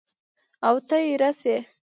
اوته اېره شې!